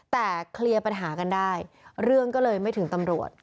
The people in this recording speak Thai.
แต่เคลียร์ปัญหากันได้เรื่องก็เลยไม่ถึงตำรวจ